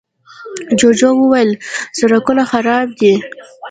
جوجو وويل، سړکونه خراب دي.